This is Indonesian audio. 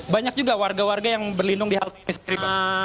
banyak juga warga warga yang berlindung di halte ekstrim